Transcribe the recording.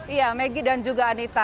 ya megi dan juga anita